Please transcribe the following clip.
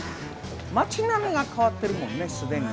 町並みが変わってるもんね既に。